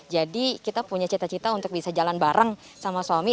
jadi kita punya cita cita untuk bisa jalan bareng sama suami